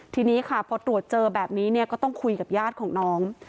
ทีนี้พอตรวจเจอแบบนี้ก็ต้องคุยกับยาติของน้อง